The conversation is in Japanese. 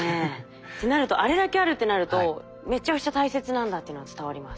ってなるとあれだけあるってなるとめちゃくちゃ大切なんだっていうのが伝わります。